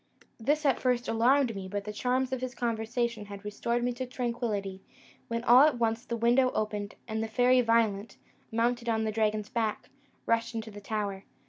This at first alarmed me, but the charms of his conversation had restored me to tranquillity, when all at once the window opened, and the Fairy Violent, mounted on the dragon's back, rushed into the tower.